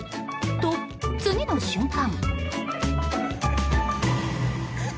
と、次の瞬間！